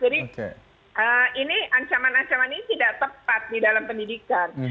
jadi ini ancaman ancaman ini tidak tepat di dalam pendidikan